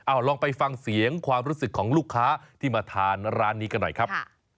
เอาลองไปฟังเสียงความรู้สึกของลูกค้าที่มาทานร้านนี้กันหน่อยครับ